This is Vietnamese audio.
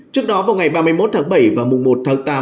trước đó vào ngày ba mươi một tháng bảy và mùng một tháng tám